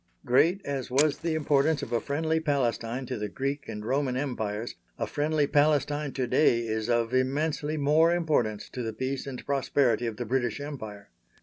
Great as was the importance of a friendly Palestine to the Greek and Roman Empires, a friendly Palestine to day is of immensely more importance to the peace and prosperity of the British Empire.